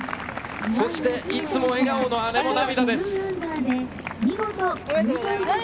そしていつも笑顔の姉も涙です。